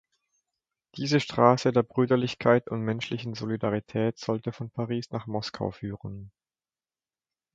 Diese Straße der Brüderlichkeit und menschlichen Solidarität sollte von Paris nach Moskau führen.